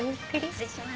失礼します。